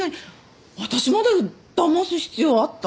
私までだます必要あった？